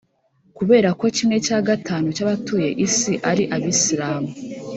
kubera ko kimwe cya gatanu cy’abatuye isi ari abisilamu